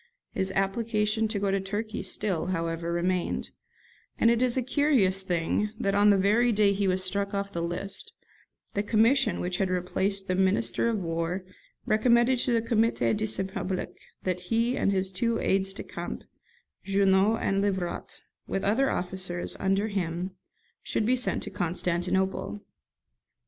His application to go to Turkey still, however, remained; and it is a curious thing that, on the very day he was struck off the list, the commission which had replaced the Minister of War recommended to the 'Comité de Saint Public' that he and his two aides de camp, Junot and Livrat, with other officers, under him, should be sent to Constantinople.